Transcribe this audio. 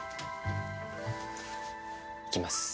いきます。